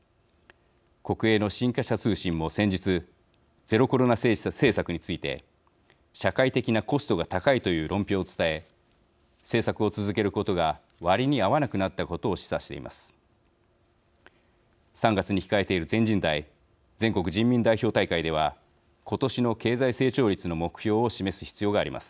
国営の新華社通信も先日ゼロコロナ政策について社会的なコストが高いという論評を伝え、政策を続けることが割に合わなくなったことを示唆しています。